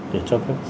để cho các